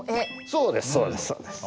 そうですそうです。